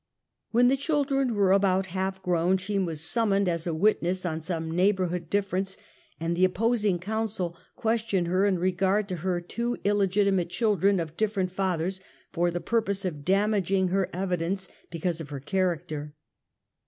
"When the children were about half o rown she was summoned as a wit ness on some neighborhood difference, and the oppos ing counsel questioned her in regard to her two ille gitimate children of different fathers for the purpose of damaging her evidence because of her character.